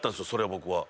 僕は。